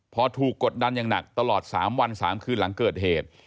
พอถูกกดดันอย่างหนักตลอด๓วัน๓คืนหลังเกิดเหตุ